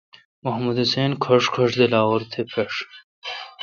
محمد حسین کھݭ کھݭ دے لاہور تھ مݭ۔